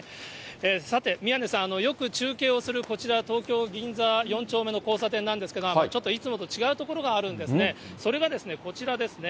さて、宮根さん、よく中継をするこちら、東京・銀座４丁目の交差点なんですが、ちょっといつもと違う所があるんですね、それがですね、こちらですね。